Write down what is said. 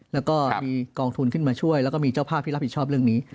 แล้วก็มีกองทุนขึ้นมาช่วยแล้วก็มีเจ้าภาพที่รับผิดชอบเรื่องนี้